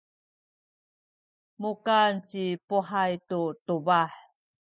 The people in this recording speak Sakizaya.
mukan ci Puhay tu tubah.